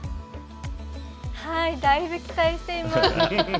だいぶ、期待しています。